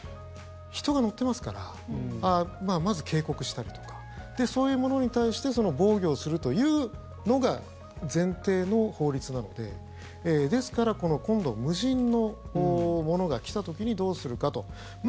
人が乗ってますからまず警告したりとかそういうものに対して防御をするというのが前提の法律なのでですから、今度無人のものが来た時にどうするかと。